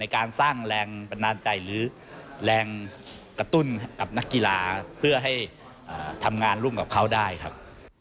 กระตุ้นกับนักกีฬาเพื่อให้ทำงานร่วมกับเค้าได้ครับ